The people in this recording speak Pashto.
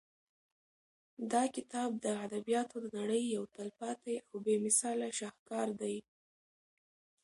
دا کتاب د ادبیاتو د نړۍ یو تلپاتې او بې مثاله شاهکار دی.